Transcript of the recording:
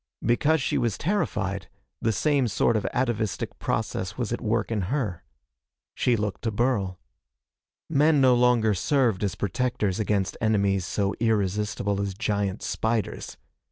Because she was terrified, the same sort of atavistic process was at work in her. She looked to Burl. Men no longer served as protectors against enemies so irresistible as giant spiders.